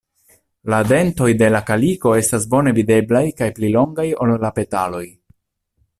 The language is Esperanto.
La dentoj de la kaliko estas bone videblaj kaj pli longaj ol la petaloj.